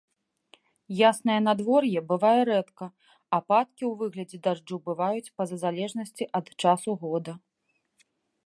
Яснае надвор'е бывае рэдка, ападкі ў выглядзе дажджу бываюць па-за залежнасці ад часу года.